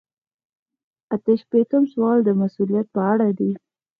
اته شپیتم سوال د مسؤلیت په اړه دی.